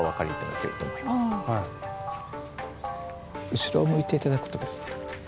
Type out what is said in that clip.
後ろを向いて頂くとですね